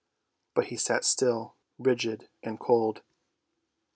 " But he sat still, rigid and cold.